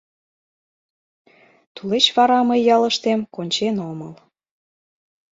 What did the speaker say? Тулеч вара мый ялыштем кончен омыл...